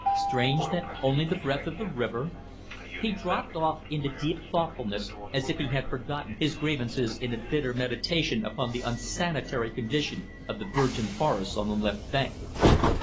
Strange that only the breadth of the river ..." He dropped off into deep thoughtfulness as if he had forgotten his grievances in a bitter meditation upon the unsanitary condition of the virgin forests on the left bank.